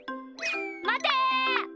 まて！